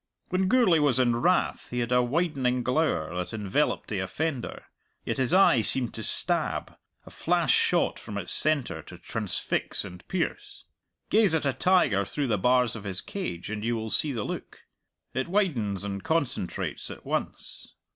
When Gourlay was in wrath he had a widening glower that enveloped the offender; yet his eye seemed to stab a flash shot from its centre to transfix and pierce. Gaze at a tiger through the bars of his cage, and you will see the look. It widens and concentrates at once.